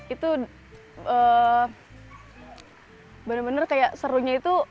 itu benar benar kayak serunya itu